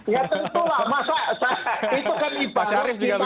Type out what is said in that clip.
ya tentulah masa itu kan ibaskan